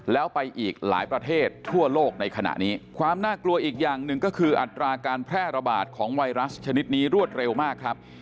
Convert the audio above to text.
แล้วไปอีกหลายประเทศทั่วโลกในขณะนี้ความน่ากลัวอีกอย่างหนึ่งก็คืออัตราการแพร่ระบาดของไวรัสชนิดนี้รวดเร็วมากครับ